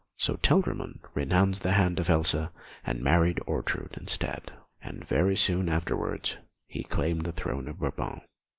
So Telramund renounced the hand of Elsa, and married Ortrud instead; and very soon afterwards he claimed the throne of Brabant.